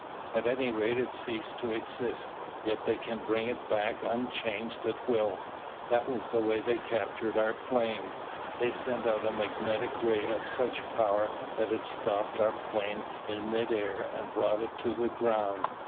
At any rate it ceased to exist, yet they can bring it back unchanged at will. That was the way they captured our plane. They sent out a magnetic ray of such power that it stopped our plane in midair and brought it to the ground.